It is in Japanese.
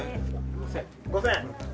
６，０００。